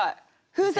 「風船」